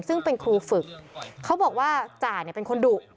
ซึ่งเป็นครูฝึกเขาบอกว่าจ่าเนี่ยเป็นคนดุ